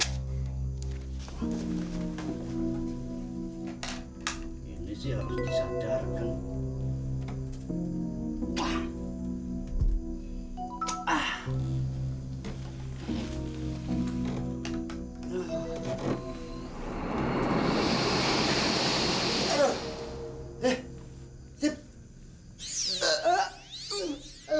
ini sih harus disadarkan